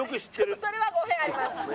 ちょっとそれは語弊あります。